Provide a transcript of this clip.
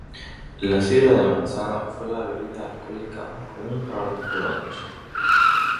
La sidra de manzana fue la bebida alcohólica más común para los colonos.